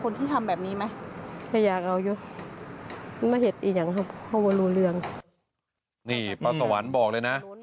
นี่ป้าสวรรค์บอกเลยนะ